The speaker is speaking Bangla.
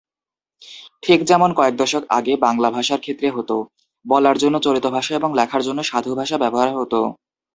ঠিক যেমন কয়েক দশক আগে বাংলা ভাষার ক্ষেত্রে হত; বলার জন্য চলিত ভাষা এবং লেখার জন্য সাধু ভাষা ব্যবহার হত।